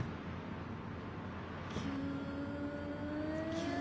キューン。